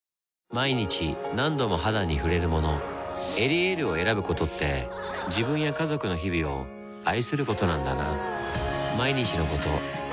毎日何度も肌に触れるもの「エリエール」を選ぶことって自分や家族の日々を愛することなんだなぁ